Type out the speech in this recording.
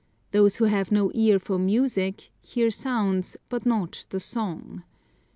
Those who have no ear for music, hear sounds, but not the song.